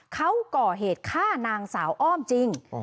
เขาก่อเหตุฆ่านางสาวอ้อมจริง